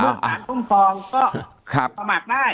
ถ้าบอกว่าการคุมฟองก็ประมาทได้